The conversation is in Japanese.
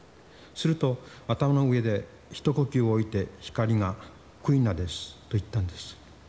すると頭の上で一呼吸置いて光が「クイナです」と言ったんです。